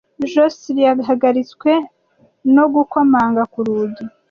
Josehl yahagaritswe no gukomanga ku rugi.